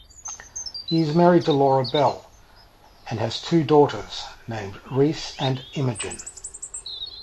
He is married to Laura Bell and has two daughters, named Reece and Imogen.